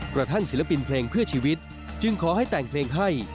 กระทั่งศิลปินเพลงเพื่อชีวิตจึงขอให้แต่งเพลงให้